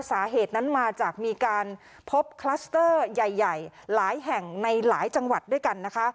สาเหตุนั้นมาจากมีการพบคลัสเตอร์ใหญ่หลายแห่งในหลายจังหวัดด้วยกันนะคะ